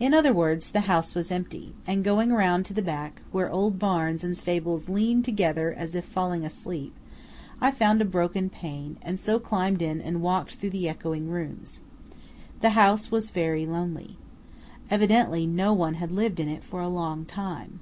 In other words, the house was empty; and going round to the back, where old barns and stables leaned together as if falling asleep, I found a broken pane, and so climbed in and walked through the echoing rooms. The house was very lonely. Evidently no one had lived in it for a long time.